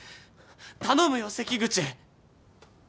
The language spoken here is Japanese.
頼むよ関口！